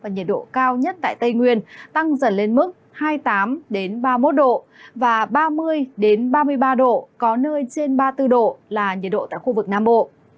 nhiệt độ cao nhất tại tây nguyên tăng dần lên mức hai mươi tám ba mươi một độ và ba mươi ba mươi ba độ có nơi trên ba mươi bốn độ là nhiệt độ tại khu vực nam bộ